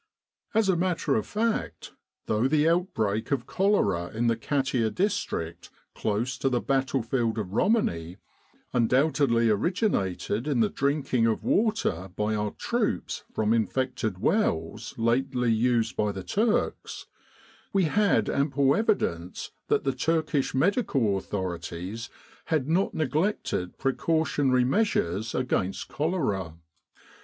As a matter of fact, though the outbreak of cholera in the Katia district close to the battlefield of Romani undoubtedly originated in the drinking of water by our troops from infected wells lately used by the Turks, we had ample evidence that the Turkish medical authorities had not neglected precautionary measures against cholera.